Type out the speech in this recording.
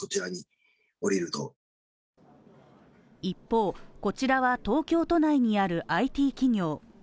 一方、こちらは東京都内にあるＩＴ企業。